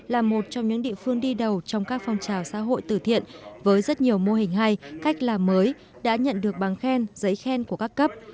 là một trong những địa phương đi đầu trong các phong trào xã hội tử thiện với rất nhiều mô hình hay cách làm mới đã nhận được bằng khen giấy khen của các cấp